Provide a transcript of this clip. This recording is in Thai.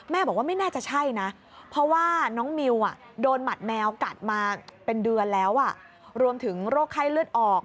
บอกว่าไม่น่าจะใช่นะเพราะว่าน้องมิวโดนหมัดแมวกัดมาเป็นเดือนแล้วรวมถึงโรคไข้เลือดออก